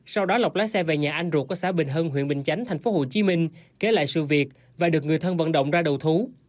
sau đó lộc lái xe về nhà anh ruột ở xã bình hưng huyện bình chánh tp hcm kể lại sự việc và được người thân vận động ra đầu thú